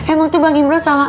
emang tuh bang imran salah apa ya